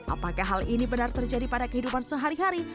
apakah hal ini benar terjadi pada kehidupan sehari hari